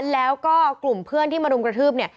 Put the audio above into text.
แล้วก็กลุ่มเพื่อนที่มารุมกระทืบเนี่ย